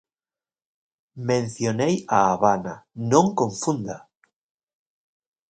Mencionei A Habana, non confunda.